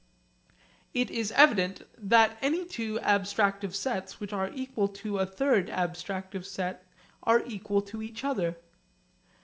It is evident that any two abstractive sets which are equal to a third abstractive set are equal to each other.